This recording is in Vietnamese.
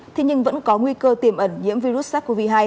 thế nhưng vẫn có nguy cơ tiềm ẩn nhiễm virus sars cov hai